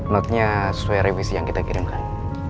notnya sesuai revisi yang kita kirimkan